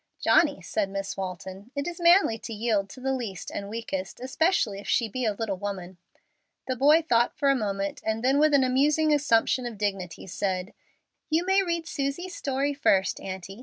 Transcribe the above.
"Johnny," said Miss Walton, "it is manly to yield to the least and weakest, especially if she be a little woman." The boy thought a moment, and then with an amusing assumption of dignity said, "You may read Susie's story first, aunty."